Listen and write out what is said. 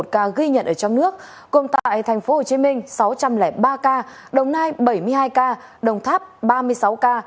một ca ghi nhận ở trong nước gồm tại tp hcm sáu trăm linh ba ca đồng nai bảy mươi hai ca đồng tháp ba mươi sáu ca